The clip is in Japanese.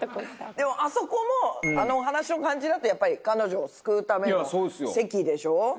でもあそこもあのお話の感じだとやっぱり彼女を救うための籍でしょう。